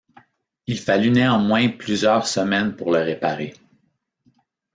Il fallut néanmoins plusieurs semaines pour le réparer.